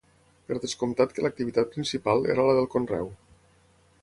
Per descomptat que l'activitat principal era la del conreu.